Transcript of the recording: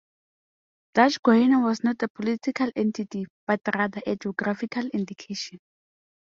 Dutch Guiana was not a political entity, but rather a geographical indication.